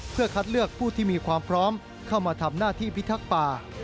เพื่อคัดเลือกผู้ที่มีความพร้อมเข้ามาทำหน้าที่พิทักษ์ป่า